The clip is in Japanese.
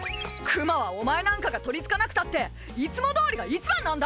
クマはお前なんかがとりつかなくたっていつもどおりがいちばんなんだ！